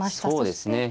そうですね。